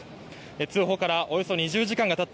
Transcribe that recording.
通報からおよそ２０時間がたった